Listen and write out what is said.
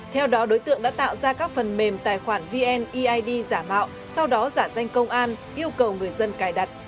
theo đó đối tượng đã tạo ra các phần mềm tài khoản vneid giả mạo sau đó giả danh công an yêu cầu người dân cài đặt